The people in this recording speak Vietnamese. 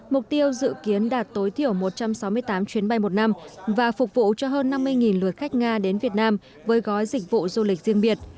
mục tiêu dự kiến đạt tối thiểu một trăm sáu mươi tám chuyến bay một năm và phục vụ cho hơn năm mươi lượt khách nga đến việt nam với gói dịch vụ du lịch riêng biệt